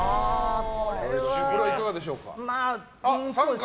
いかがでしょうか？